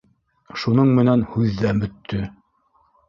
Шуның менән һүҙ ҙә бөттө.